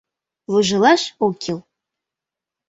Вожылаш ок кӱл.